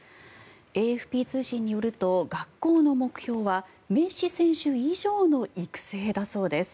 ＡＦＰ通信によると学校の目標はメッシ選手以上の育成だそうです。